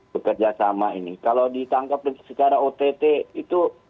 bekerjasama ini kalau ditangkap secara ott itu